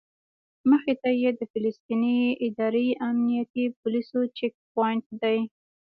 مخې ته یې د فلسطیني ادارې امنیتي پولیسو چیک پواینټ دی.